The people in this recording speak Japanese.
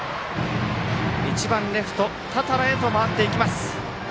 １番レフト、多田羅へと回っていきます。